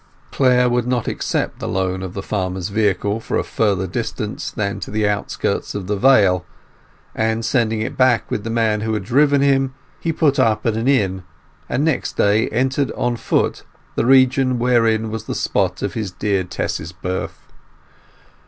Clare would not accept the loan of the farmer's vehicle for a further distance than to the outskirts of the Vale, and, sending it back with the man who had driven him, he put up at an inn, and next day entered on foot the region wherein was the spot of his dear Tess's birth.